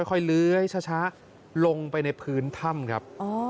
ค่อยเลื้อยช้าลงไปในพื้นถ้ำครับ